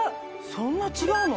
そんな違うの？